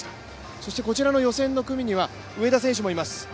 そしてこちらの予選の組には上田選手もいます。